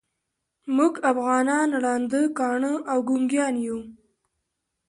موږ افغانان ړانده، کاڼه او ګونګیان یوو.